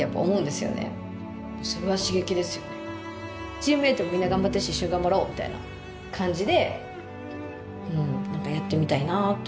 チームメートみんな頑張ってるし一緒に頑張ろうみたいな感じでうん何かやってみたいなって思いましたね。